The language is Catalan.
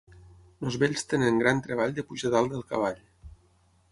Els vells tenen gran treball de pujar dalt del cavall.